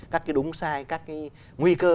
các cái đúng sai các cái nguy cơ